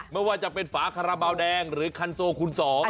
บ้างว่าจะเป็นฝาขราบาวแดงหรือคัลโสคุณสม